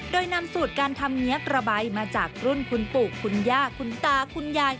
โดยนำสูตรการทำเงี้ยตระใบมาจากรุ่นคุณปู่คุณย่าคุณตาคุณยาย